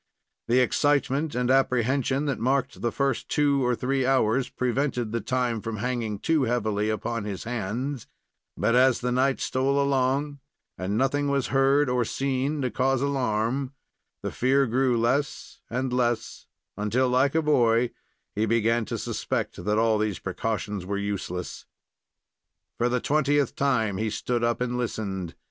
The excitement and apprehension that marked the first two or three hours prevented the time from hanging too heavily upon his hands, but as the night stole along and nothing was heard or seen to cause alarm, the fear grew less and less, until, like a boy, he began to suspect that all these precautions were useless. For the twentieth time he stood up and listened.